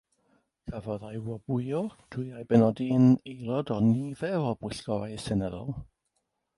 Cafodd ei wobrwyo drwy ei benodi'n aelod o nifer o bwyllgorau seneddol.